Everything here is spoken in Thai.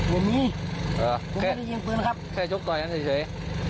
ไม่มีผมแค่ได้ยินปืนครับแค่ชกต่อยกันเฉย